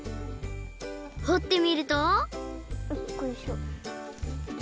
ほってみるとよっこいしょ。